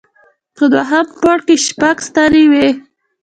په دوهم پوړ کې شپږ ستنې وې.